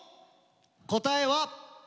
答えは。